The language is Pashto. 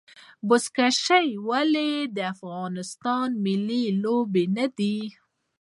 بزکشي ولې د افغانستان ملي لوبه نه ده؟